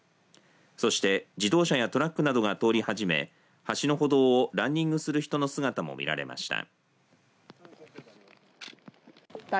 そして、自動車やトラックなどが通り始め橋の歩道をランニングする人の姿も見られました。